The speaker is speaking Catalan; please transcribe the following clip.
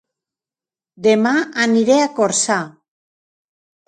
Dema aniré a Corçà